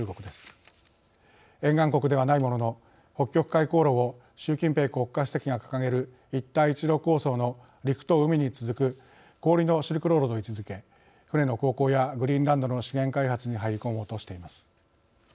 沿岸国ではないものの北極海航路を習近平国家主席が掲げる一帯一路構想の陸と海に続く氷のシルクロードと位置づけ船の航行やグリーンランドの資源開発に入り込もうとしています。